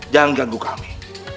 jangan ganggu kami